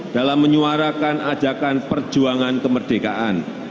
dalam menyuarakan ajakan perjuangan kemerdekaan